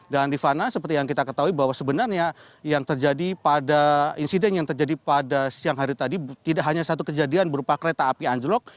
dan di fana seperti yang kita ketahui bahwa sebenarnya yang terjadi pada insiden yang terjadi pada siang hari tadi tidak hanya satu kejadian berupa kereta api anjlok